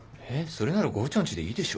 それなら郷長んちでいいでしょ。